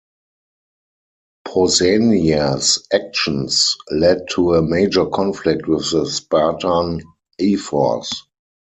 Pausanias's actions led to a major conflict with the Spartan ephors.